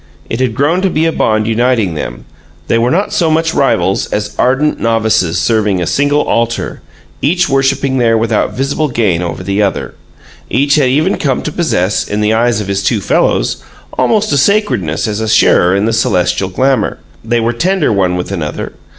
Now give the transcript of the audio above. It had grown to be a bond uniting them; they were not so much rivals as ardent novices serving a single altar, each worshiping there without visible gain over the other. Each had even come to possess, in the eyes of his two fellows, almost a sacredness as a sharer in the celestial glamor; they were tender one with another.